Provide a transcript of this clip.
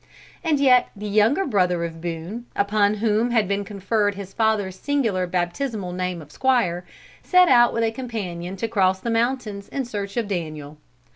And yet the younger brother of Boone, upon whom had been conferred his father's singular baptismal name of Squire, set out with a companion to cross the mountains, in search of Daniel.